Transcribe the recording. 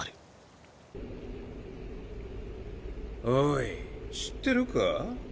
おい知ってるか？